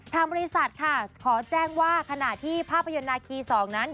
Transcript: ทางบริษัทค่ะขอแจ้งว่าขณะที่ภาพยนตร์นาคี๒นั้น